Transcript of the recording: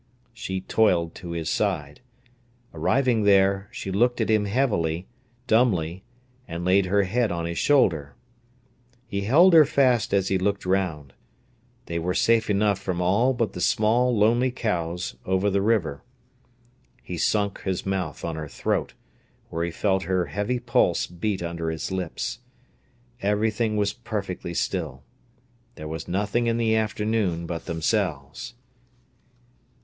She toiled to his side. Arriving there, she looked at him heavily, dumbly, and laid her head on his shoulder. He held her fast as he looked round. They were safe enough from all but the small, lonely cows over the river. He sunk his mouth on her throat, where he felt her heavy pulse beat under his lips. Everything was perfectly still. There was nothing in the afternoon but themselves.